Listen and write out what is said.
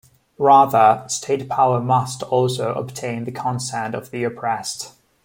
Rather, state power must also obtain the consent of the oppressed.